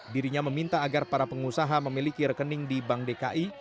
dirinya meminta agar para pengusaha memiliki rekening di bank dki